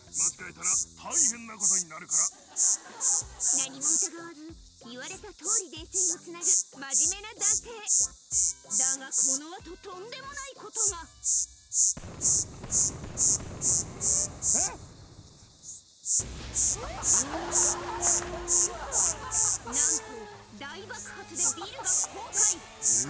何も疑わず言われたとおり電線をつなぐ真面目な男性だがこの後とんでもないことがなんと大爆発でビルが崩壊え？